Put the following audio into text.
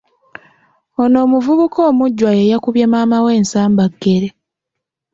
Ono omuvubuka omujjwa ye yakubye maamawe ensambaggere.